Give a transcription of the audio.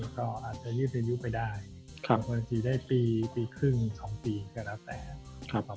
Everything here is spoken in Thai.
ก็อาจจะยืดไปได้ปฏิเสธได้ปีปีครึ่ง๒ปีก็แล้วแต่